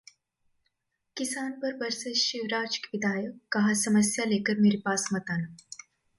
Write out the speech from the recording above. किसान पर बरसे शिवराज के विधायक, कहा-समस्या लेकर मेरे पास मत आना